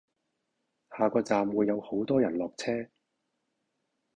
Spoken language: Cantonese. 下個站會有好多人落車